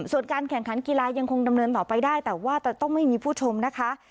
ส่วนการแข่งขันกีฬายังคงดำเนินต่อไปได้แต่ว่าจะต้องไม่มีผู้ชมนะคะ